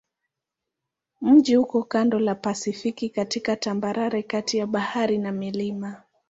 Mji uko kando la Pasifiki katika tambarare kati ya bahari na milima.